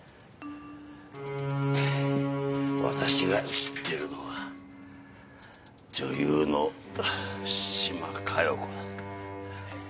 私が知ってるのは女優の島加代子だ。